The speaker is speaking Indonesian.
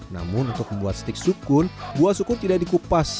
namun untuk membuat stik sukun buah sukun tidak dikupas